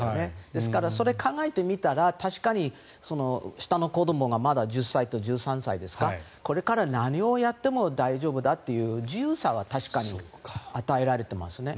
ですから、それを考えてみたら確かに、下の子どもがまだ１０歳と１３歳ですかこれから何をやっても大丈夫だという自由さは確かに与えられてますね。